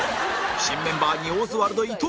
新メンバーにオズワルド伊藤